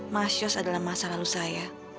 mas yos adalah masa lalu saya